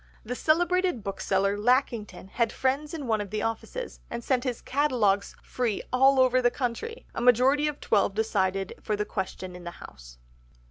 The celebrated bookseller Lackington had friends in one of the offices, and sent his catalogues free all over the country. A majority of twelve decided for the Question in the House.